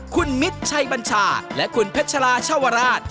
คุณมิตรชัยบัญชาและคุณเพชราชาวราช